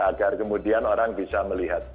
agar kemudian orang bisa melihat